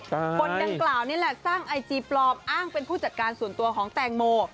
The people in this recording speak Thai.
คนดังกล่าวนี่แหละสร้างไอจีปลอมอ้างเป็นผู้จัดการส่วนตัวของแตงโม